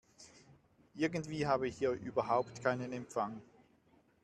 Irgendwie habe ich hier überhaupt keinen Empfang.